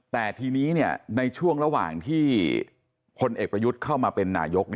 แต่ทีนี้ในช่วงระหว่างที่พลเอกประยุทธ์เข้ามาเป็นนายก